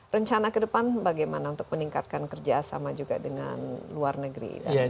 rencana ke depan bagaimana untuk meningkatkan kerjasama juga dengan luar negeri